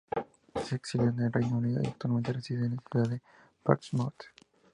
Se exilió al Reino Unido, y actualmente reside en la ciudad de Portsmouth.